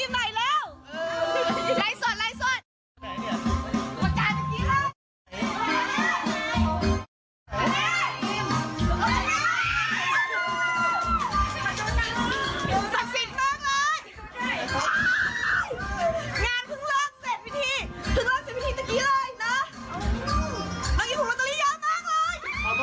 มากเลยงานพึ่งเริ่มเสร็จวิธีพึ่งเริ่มเสร็จวิธีตะกี้เลยน่ะ